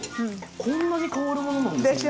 こんなに香るものなんですね。